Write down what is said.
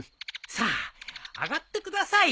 さあ上がってください。